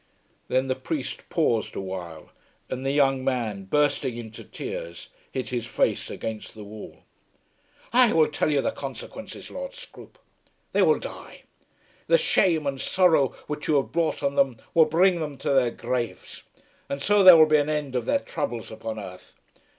Then the priest paused awhile, and the young man, bursting into tears, hid his face against the wall. "I will tell you the consequences, Lord Scroope. They will die. The shame and sorrow which you have brought on them, will bring them to their graves, and so there will be an end of their throubles upon earth.